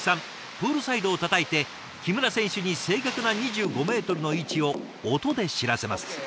プールサイドをたたいて木村選手に正確な２５メートルの位置を音で知らせます。